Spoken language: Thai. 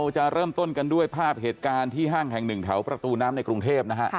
จะเริ่มต้นกันด้วยภาพเหตุการณ์ที่ห้างแห่งหนึ่งแถวประตูน้ำในกรุงเทพนะฮะ